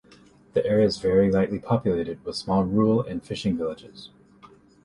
The area is very lightly populated with small rural and fishing villages.